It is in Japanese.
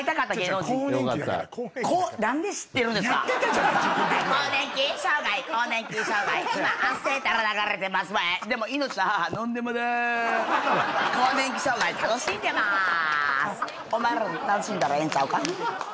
お前らも楽しんだらええんちゃうか？